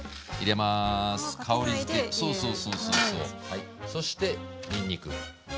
はいそしてにんにく。